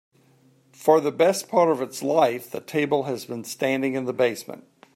For the best part of its life, the table has been standing in the basement.